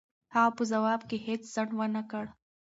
هغه په ځواب کې هېڅ ځنډ و نه کړ.